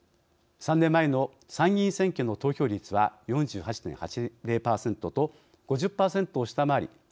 ３年前の参議院選挙の投票率は４８．８０％と５０％を下回り